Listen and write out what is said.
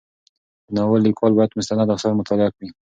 د ناول لیکوال باید مستند اثار مطالعه کړي.